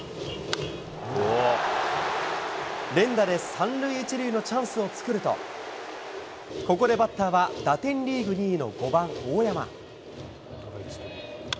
連打で３塁１塁のチャンスを作ると、ここでバッターは、打点リーグ２位の５番大山。